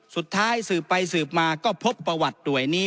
สุดท้ายสืบไปสืบมาก็พกประวัติด้วยนี้